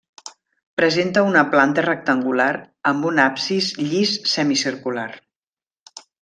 Presenta una planta rectangular amb un absis llis semicircular.